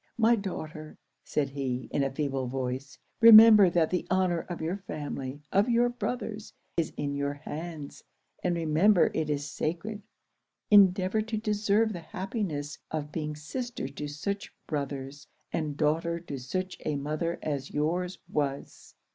"My daughter," said he, in a feeble voice, "remember that the honour of your family of your brothers is in your hands and remember it is sacred. Endeavour to deserve the happiness of being sister to such brothers, and daughter to such a mother as yours was!"